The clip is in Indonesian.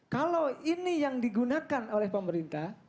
kalau ini yang digunakan oleh pemerintah